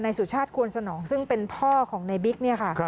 ในสุชาติกวนสนองซึ่งเป็นพ่อของนายบิ๊กนี่ค่ะ